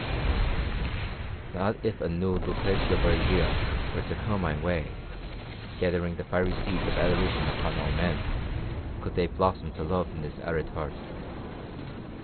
No, not if a new Lucrezia Borgia were to come my way, scattering the fiery seeds of adoration upon all men, could they blossom to love in this arid heart.